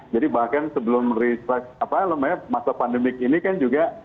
jadi bahkan sebelum riset apalagi lumayan masa pandemik ini kan juga